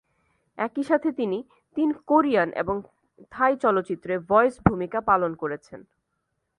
একই সাথে তিনি তিন কোরিয়ান এবং থাই চলচ্চিত্রে ভয়েস ভূমিকা পালন করেছেন।